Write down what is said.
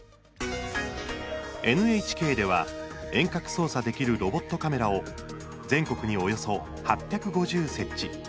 ＮＨＫでは遠隔操作できるロボットカメラを全国におよそ８５０設置。